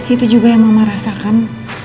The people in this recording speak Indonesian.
itu juga yang mama rasakan